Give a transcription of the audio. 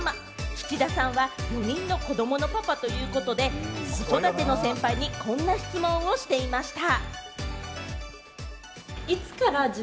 土田さんは４人の子どものパパということで、子育ての先輩にこんな質問をしていました。